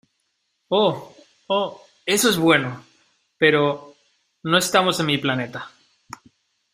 Oh. Oh, eso es bueno . pero no estamos en mi planeta .